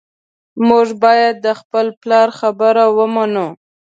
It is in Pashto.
موږ باید د خپل پلار خبره ومنو